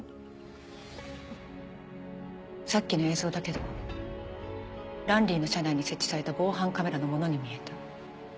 さっきの映像だけどランリーの社内に設置された防犯カメラのものに見えた。